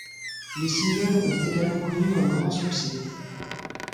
Les singles ont également connu un grand succès.